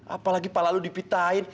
apalagi kepala lu dipitain